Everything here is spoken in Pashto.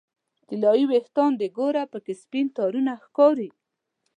طلایې ویښان دې ګوره پکې سپین تارونه ښکاري